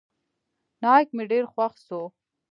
نايک مې ډېر خوښ سو.